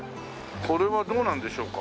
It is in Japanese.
これはどうなんでしょうか？